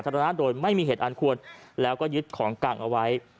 รณะโดยไม่มีเหตุอันควรแล้วก็ยึดของกลางเอาไว้